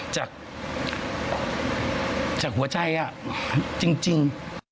จากหัวใจจริง